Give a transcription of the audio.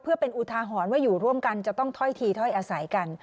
เพื่อเป็นอุทาหรณ์ว่าอยู่ร่วมกันจะต้องถ้อยทีถ้อยอาศัยกัน